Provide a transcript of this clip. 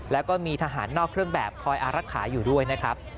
แล้วก็มีทหารนอกเครื่องแบบคอยอารักษาอยู่ด้วยนะครับ